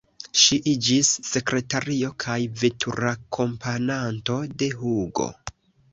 Ŝi iĝis sekretario kaj veturakompananto de Hugo.